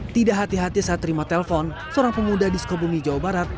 tidak hati hati saat terima telepon seorang pemuda di sukabumi jawa barat